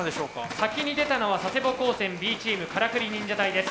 先に出たのは佐世保高専Ｂチーム「絡繰忍者隊」です。